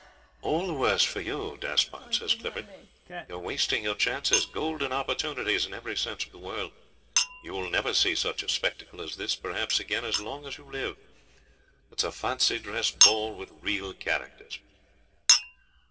'All the worse for you, Despard,' says Clifford. 'You're wasting your chances golden opportunities in every sense of the word. You'll never see such a spectacle as this, perhaps, again as long as you live. It's a fancy dress ball with real characters.'